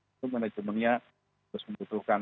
itu manajemennya harus membutuhkan